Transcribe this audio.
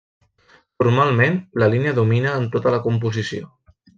Formalment, la línia domina en tota la composició.